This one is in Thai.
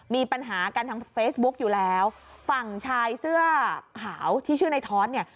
มีปัญหากันทางเฟซบุ๊กอยู่แล้วฝั่งชายเสื้อขาวที่ชื่อในท้อนเนี่ย